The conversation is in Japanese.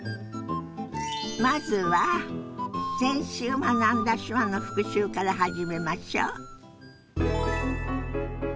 まずは先週学んだ手話の復習から始めましょ。